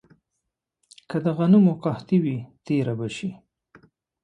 که د غنمو قحطي وي، تېره به شي.